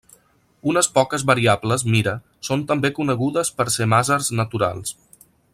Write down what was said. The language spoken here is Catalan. Unes poques variables Mira són també conegudes per ser màsers naturals.